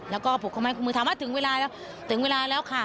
แล้วก็ผูกข้อม้ายขอมือถามว่าถึงเวลาแล้วค่ะ